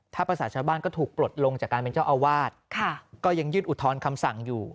ถ้าภาษาชาวบ้านก็ถูกปลดลงจากการเป็นเจ้าอาวาสก็ยังยื่นอุทธรณ์คำสั่งอยู่